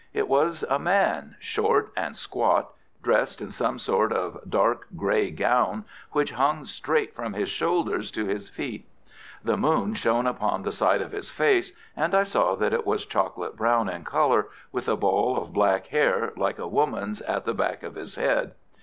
It was a man, short and squat, dressed in some sort of dark grey gown, which hung straight from his shoulders to his feet. The moon shone upon the side of his face, and I saw that it was chocolate brown in colour, with a ball of black hair like a woman's at the back of his head.